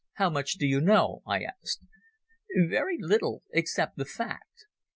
How much do you know?" I asked. "Very little, except the fact.